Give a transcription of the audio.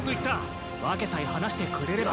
訳さえ話してくれれば。